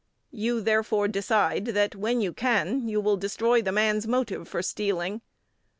You, therefore, decide that, when you can, you will destroy the man's motive for stealing.